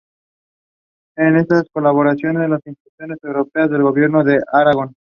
En estas colaboraron las instituciones europeas o el Gobierno de Aragón.